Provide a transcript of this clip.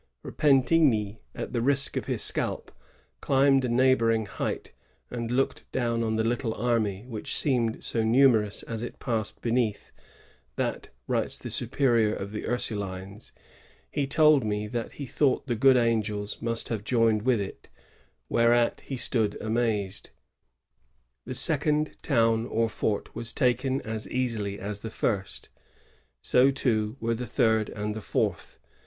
Repentigny, at the risk of his scalp, climbed a neighboring height, and looked down on the little smny, which seemed so numerous as it passed beneath, ^^ that^ writes the superior of the Ur sulines, ^' he told me that he thought the good angels must have joined with it: whereat he stood amazed. The second town or fort was taken as easily as the first; so, too, were the third and the fourth.